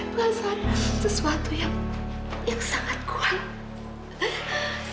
perasaan sesuatu yang sangat kuat